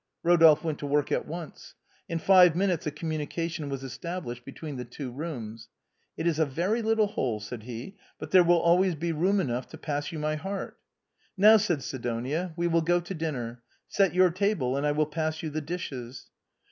Eodolphe went to work at once. In five minutes a com munication was established between the two rooms. " It is a very little hole," said he, " but there will al ways be room enough to pass you my heart." " Now," said Sidonia, " we will go to dinner. Set your table, and I will pass you the dishes."